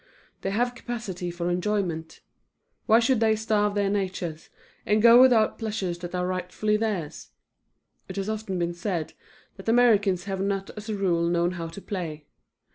They have capacity for enjoyment. Why should they starve their natures, and go without pleasures that are rightfully theirs? It has often been said that Americans have not as a rule known how to play.